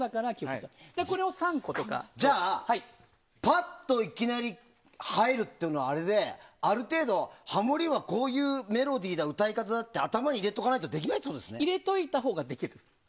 じゃあぱっといきなり入るっていうのはある程度、ハモリはこういうメロディーだ歌い方だって頭に入れておかないと入れておいたほうができるんですね。